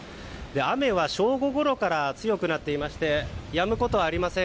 雨は正午ごろから強くなっていてやむことはありません。